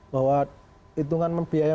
bahwa hitungan membiaya